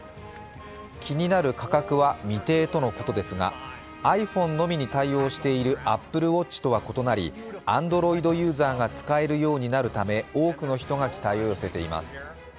気になる価格は未定とのことですが、ｉＰｈｏｎｅのみに対応しているＡｐｐｌｅＷａｔｃｈとは異なりＡｎｄｒｏｉｄユーザーが使えるようになるため多くの人が期待を寄せています。